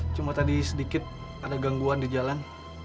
cuma tadi sedikit ada gangguan di jalan